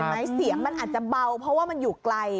คุณผู้ชมเห็นไหมเสียงอาจจะเบาเพราะว่ามันอยู่ไกล